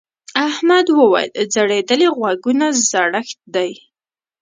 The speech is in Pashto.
احمد وويل: ځړېدلي غوږونه زړښت دی.